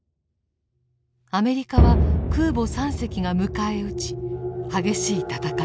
アメリカは空母３隻が迎え撃ち激しい戦いとなりました。